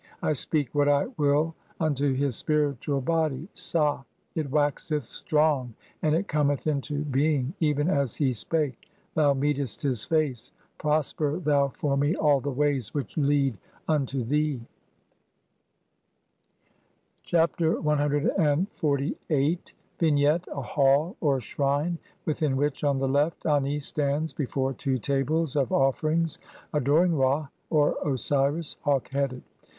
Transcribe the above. I speak what I will unto his "spiritual body (sab.) ; (8) it waxeth strong and it cometh into "being, even as he spake. Thou meetest his face. Prosper thou "for me all the ways [which lead] unto thee." 1 Chapter CXLVIII. [From the Papyrus of Nu (Brit. Mus. No. 10,477, sheet 11).] Vignette : 2 A hall, or shrine, within which, on the left, Ani stands be fore two tables of offerings adoring Ra (or Osiris), hawk headed.